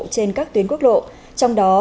trên các tuyến quốc lộ trong đó